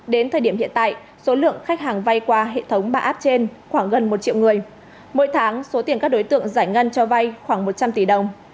đến thời điểm hiện tại số lượng khách hàng vay qua hệ thống ba app trên khoảng gần một triệu người mỗi tháng số tiền các đối tượng giải ngân cho vay khoảng một trăm linh tỷ đồng